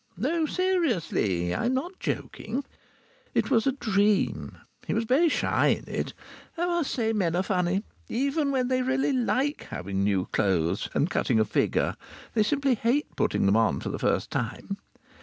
No seriously, I'm not joking. It was a dream. He was very shy in it. I must say men are funny. Even when they really like having new clothes and cutting a figure, they simply hate putting them on for the first time.